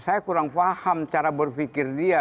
saya kurang paham cara berpikir dia